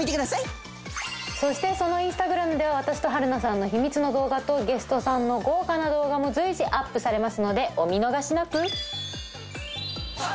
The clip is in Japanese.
そしてそのインスタグラムでは私と春菜さんの秘密の動画とゲストさんの豪華な動画も随時アップされますのでお見逃しなく。